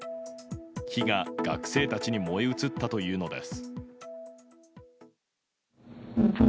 火が学生たちに燃え移ったというのです。